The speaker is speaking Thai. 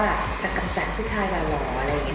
แบบว่าอาจจะกำแกร่งพอเนี่ย